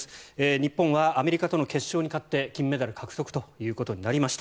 日本はアメリカとの決勝に勝って金メダルを獲得ということになりました。